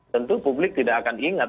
tentu publik tidak akan ingat